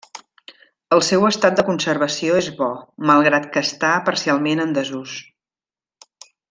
El seu estat de conservació és bo, malgrat que està parcialment en desús.